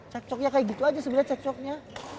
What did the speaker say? cekcoknya kayak gitu aja sebenernya cekcoknya